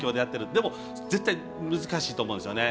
でも、絶対、難しいと思うんですよね。